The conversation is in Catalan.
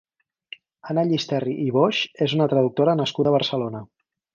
Anna Llisterri i Boix és una traductora nascuda a Barcelona.